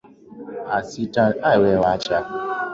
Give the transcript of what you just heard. a sita nne sifuri moja tano saba nne saba